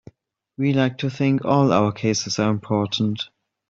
We like to think all our cases are important.